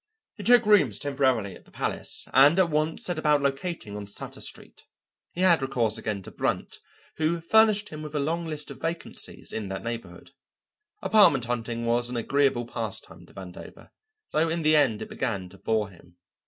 He took rooms temporarily at the Palace and at once set about locating on Sutter Street. He had recourse again to Brunt, who furnished him with a long list of vacancies in that neighbourhood. Apartment hunting was an agreeable pastime to Vandover, though in the end it began to bore him.